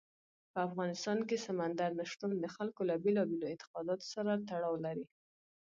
په افغانستان کې سمندر نه شتون د خلکو له بېلابېلو اعتقاداتو سره تړاو لري.